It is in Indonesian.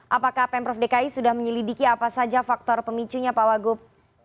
apakah pemprov dki sudah menyelidiki apa saja faktor pemicunya pak wagub